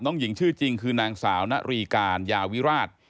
หญิงชื่อจริงคือนางสาวนรีการยาวิราช